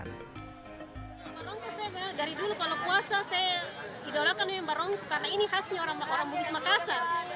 saya bilang dari dulu kalau puasa saya idolakan dengan barong karena ini khasnya orang bugis makassar